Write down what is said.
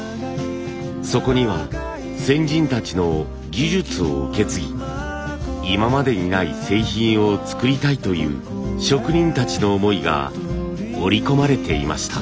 そこには先人たちの技術を受け継ぎ今までにない製品を作りたいという職人たちの思いが織り込まれていました。